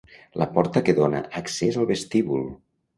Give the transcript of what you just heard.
La porta que dona accés al vestíbul.